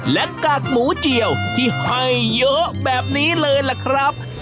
และกากหมูเจียวที่ให้เยอะแบบนี้เลยล่ะครับ